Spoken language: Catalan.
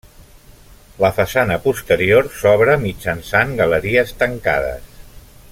La façana posterior s'obre mitjançant galeries tancades.